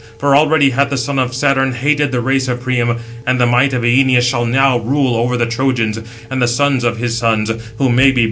For already hath the son of Saturn hated the race of Priam, and the might of Æneas shall now rule over the Trojans, and the sons of his sons, who may be born in after times."